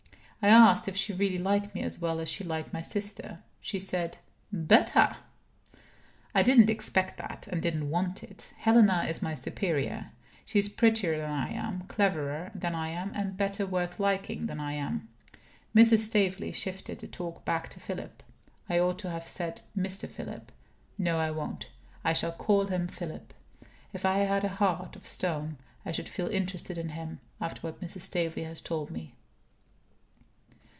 I asked if she really liked me as well as she liked my sister. She said: "Better." I didn't expect that, and didn't want it. Helena is my superior. She is prettier than I am, cleverer than I am, better worth liking than I am. Mrs. Staveley shifted the talk back to Philip. I ought to have said Mr. Philip. No, I won't; I shall call him Philip. If I had a heart of stone, I should feel interested in him, after what Mrs. Staveley has told me.